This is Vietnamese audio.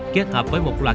kết hợp với một loạt